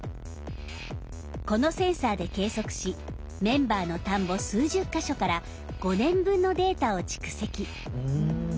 このセンサーで計測しメンバーの田んぼ数十か所から５年分のデータを蓄積。